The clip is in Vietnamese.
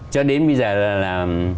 cho đến bây giờ là